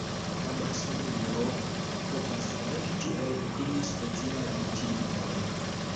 La malsanulo povas elekti el pli specialaj tipoj.